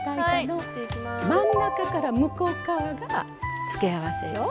真ん中から向こう側が付け合わせよ。